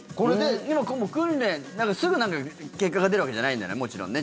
訓練すぐ結果が出るわけじゃないんだよね、もちろんね。